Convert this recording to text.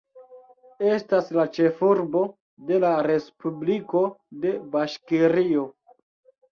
Estas la ĉefurbo de la respubliko de Baŝkirio.